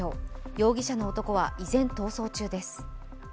容疑者の男は依然、逃走中です。